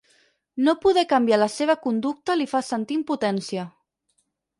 No poder canviar la seva conducta li fa sentir impotència.